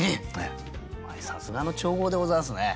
さすがの調合でございますね。